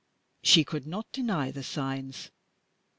She could not deny the signs.